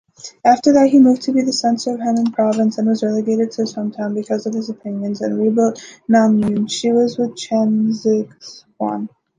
After that, he moved to be the censor of Henan Province, and was relegated to his hometown because of his opinions, and rebuilt Nanyuan She with Chen Zizhuang.